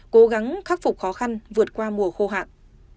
cố gắng khắc phục khó khăn vượt qua mùa khô hạn